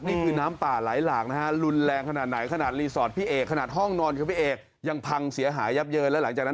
นี่คือน้ำป่าไหลหลากนะฮะรุนแรงขนาดไหน